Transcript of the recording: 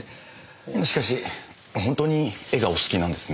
しかし本当に絵がお好きなんですね。